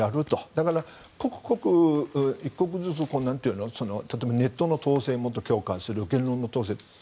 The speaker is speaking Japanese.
だから、一刻ずつ例えばネットの規制も強化する言論の統制。